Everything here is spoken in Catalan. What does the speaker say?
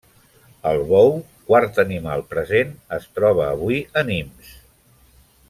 El bou, quart animal present, es troba avui a Nimes.